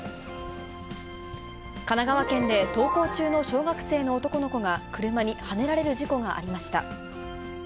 神奈川県で、登校中の小学生の男の子が車にはねられる事故がありました。